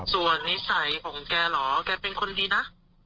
ส่วนนิสัยของแกเหรอแกเป็นคนดีนะ